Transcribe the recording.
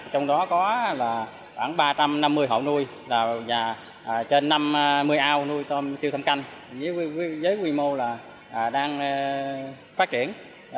trong đó có khoảng ba trăm năm mươi hộ nuôi và trên năm mươi ao nuôi tôm siêu thâm canh với quy mô là đang phát triển